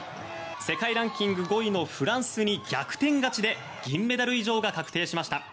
世界ランキング５位のフランスに逆転勝ちで銀メダル以上が確定しました。